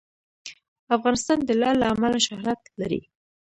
افغانستان د لعل له امله شهرت لري.